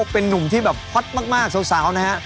เป็นนุ่มที่แบบฮอตมากสาวนะฮะ